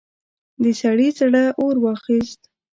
د سړي زړه اور واخيست.